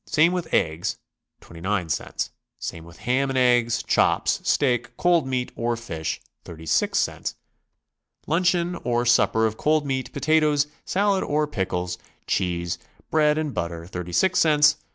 ; same with eggs, 29 cts. ; same with ham and eggs, chops, steak, cold meat or fish, 36 cts. Luncheon or supper of cold meat, potatoes, salad or pickles, cheese, bread and butter, 36 cts.